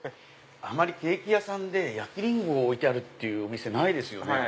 ケーキ屋さんで焼きリンゴを置いてあるお店ないですよね。